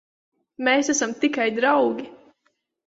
Mēs esam tikai draugi.